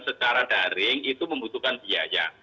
secara daring itu membutuhkan biaya